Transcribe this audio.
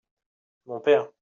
mon père.